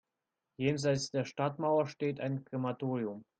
Jenseits der Stadtmauern steht ein Krematorium.